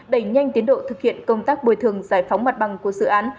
đẩy nhanh tiến độ thực hiện công tác bồi thường giải phóng mặt bằng của dự án